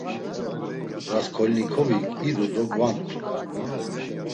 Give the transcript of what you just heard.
Rasǩolnikovik idu do gvant̆u.